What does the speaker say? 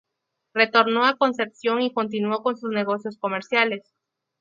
Retornó a Concepción y continuó con sus negocios comerciales.